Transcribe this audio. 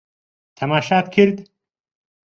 تەماشات کرد؟